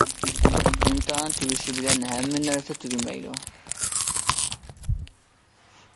ئىمتىھان تۈگىشى بىلەن ھەممە نەرسە تۈگىمەيدۇ.